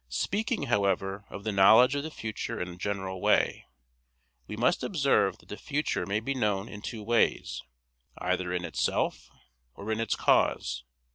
Speaking, however, of the knowledge of the future in a general way, we must observe that the future may be known in two ways: either in itself, or in its cause.